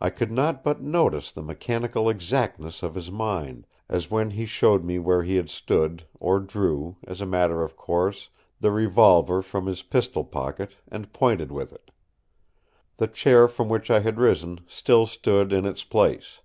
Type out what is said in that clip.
I could not but notice the mechanical exactness of his mind, as when he showed me where he had stood, or drew, as a matter of course, the revolver from his pistol pocket, and pointed with it. The chair from which I had risen still stood in its place.